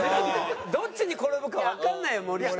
どっちに転ぶかわかんないよ森下も。